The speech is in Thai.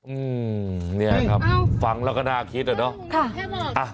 อืมเนี่ยครับฟังแล้วก็น่าคิดอะเนาะ